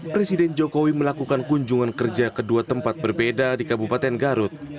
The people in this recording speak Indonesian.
presiden jokowi melakukan kunjungan kerja ke dua tempat berbeda di kabupaten garut